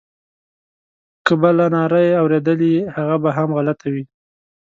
که بله ناره یې اورېدلې هغه به هم غلطه وي.